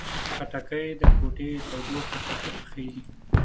خټکی د کوټې تودوخې کې ښه پخیږي.